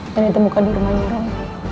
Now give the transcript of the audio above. yang ditemukan di rumahnya rom